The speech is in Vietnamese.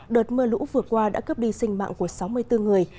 đợt mưa lũ vừa qua đã cướp đi sinh mạng của sáu mươi bốn người